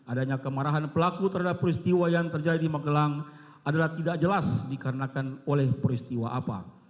adanya kemarahan pelaku terhadap peristiwa yang terjadi di magelang adalah tidak jelas dikarenakan oleh peristiwa apa